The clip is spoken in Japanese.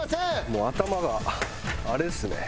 もう頭があれですね。